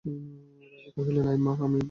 রাজা কহিলেন, আয় মা, আমিও মুছি।